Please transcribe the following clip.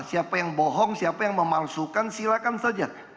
siapa yang bohong siapa yang memalsukan silakan saja